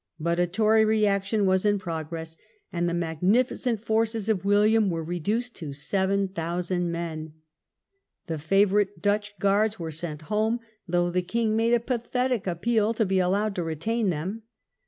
But a Tory reaction was in progress, and the magnifi cent forces of William were reduced to 7000 men. The favourite Dutch guards were sent home, though the king made a pathetic appeal to be allowed to retain them.